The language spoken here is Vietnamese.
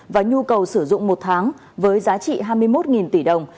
và nhu cầu sử dụng một tháng với giá trị hai mươi một tỷ đồng